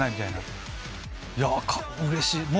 いやぁ、うれしい。